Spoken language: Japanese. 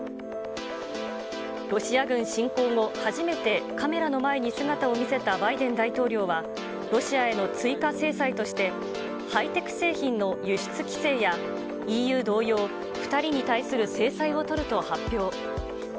ロシア軍侵攻後、初めてカメラの前に姿を見せたバイデン大統領は、ロシアへの追加制裁として、ハイテク製品の輸出規制や、ＥＵ同様、２人に対する制裁を取ると発表。